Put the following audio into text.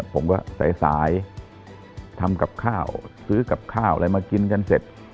ผมก็สายทำกับข้าวซื้อกับข้าวอะไรมากินกันเสร็จ